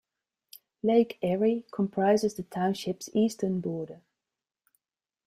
Lake Erie comprises the township's eastern border.